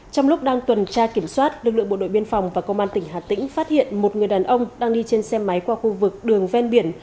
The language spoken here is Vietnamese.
trong lúc đang tuần tra kiểm soát lực lượng bộ đội biên phòng và công an tỉnh hà tĩnh phát hiện một người đàn ông đang đi trên xe máy qua khu vực đường ven biển